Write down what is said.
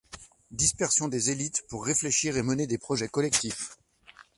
Dispersion des élites pour réfléchir et mener des projets collectifs.